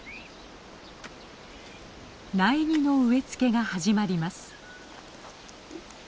苗木の植え付けが始まります。